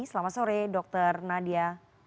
selamat sore dr nadia